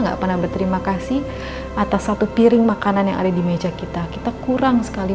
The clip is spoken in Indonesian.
nggak pernah berterima kasih atas satu piring makanan yang ada di meja kita kita kurang sekali